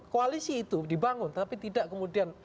koalisi itu dibangun tapi tidak kemudian